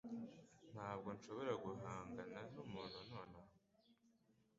Ntabwo nshobora guhangana numuntu nonaha.